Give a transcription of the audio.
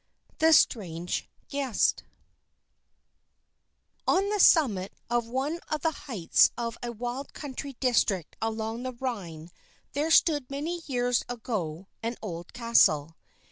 XXX THE STRANGE GUEST ON the summit of one of the heights of a wild country district along the Rhine, there stood many years ago an old castle.